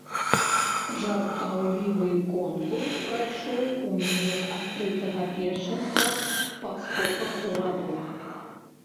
Жартаўлівы конкурс прайшоў у межах адкрытага першынства па скоках у ваду.